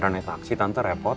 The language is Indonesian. daripada naik taksi tante repot